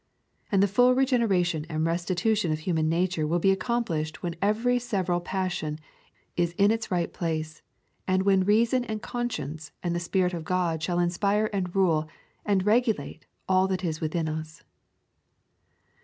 And the full regeneration and restitution of human nature will be accomplished when every several passion is in its right place, and when reason and conscience and the Spirit of God shall inspire and rule and regulate all that is within us.